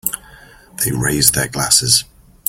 They raise their glasses.